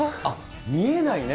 見えないね。